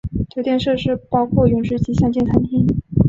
酒店设施包括泳池及三间餐厅。